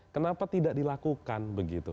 kenapa tidak dilakukan begitu